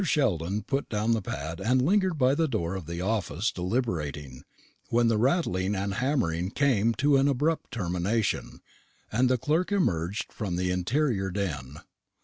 Sheldon put down the pad and lingered by the door of the office deliberating, when the rattling and hammering came to an abrupt termination, and the clerk emerged from the interior den.